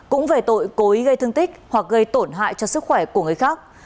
cũng về tội cố ý gây thương tích hoặc gây tổn hại cho sức khỏe của người khác